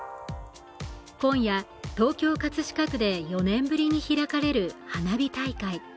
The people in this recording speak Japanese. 今夜、東京・葛飾区で４年ぶりに開かれる花火大会。